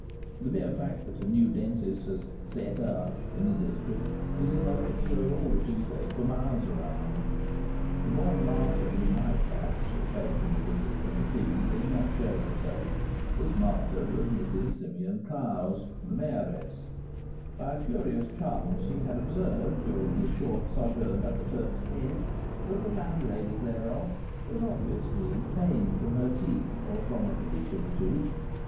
The mere fact that a new dentist has "set up" in a district is enough to cure all the toothache for miles around. The one martyr who might, perhaps, have paid him a visit and a fee did not show herself. This martyr was Mrs Simeon Clowes, the mayoress. By a curious chance, he had observed, during his short sojourn at the Turk's Head, that the landlady thereof was obviously in pain from her teeth, or from a particular tooth.